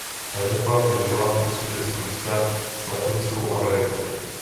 Evropa by měla posílit svůj vztah s Latinskou Amerikou.